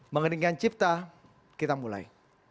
mengenikan cipta kita mulai